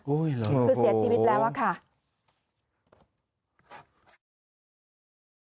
โอ้ยหรือโอ้โหคือเสียชีวิตแล้วค่ะอุ๊ยหรือ